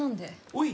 おい。